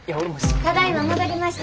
ただいま戻りました。